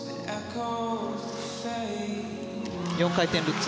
４回転ルッツ。